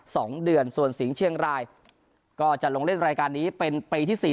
สองเดือนส่วนสิงห์เชียงรายก็จะลงเล่นรายการนี้เป็นปีที่สี่